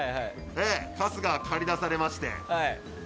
春日は駆り出されまして。